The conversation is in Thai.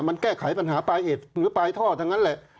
มันแก้ไขปัญหาปลายเหตุหรือปลายท่อทั้งนั้นแหละ